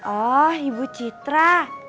oh ibu citra